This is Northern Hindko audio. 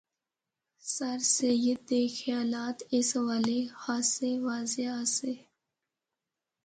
سرسید دے خیالات اس حوالے خاصے واضح آسے۔